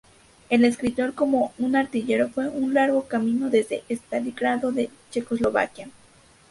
El escritor como un artillero fue un largo camino desde Stalingrado a Checoslovaquia.